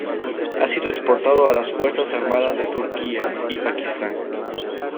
Ha sido exportado a las Fuerzas Armadas de Turquía y Pakistán.